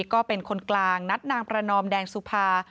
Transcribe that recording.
ก็เป็นคนกลางนัดนางประนอมแดงสุภา